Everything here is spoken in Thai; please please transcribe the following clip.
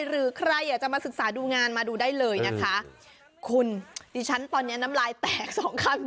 หรือใครจะมาศึกษาดูงานมาดูได้เลยนะคะคุณดิฉันน้ำลายแตก๒ครั้ง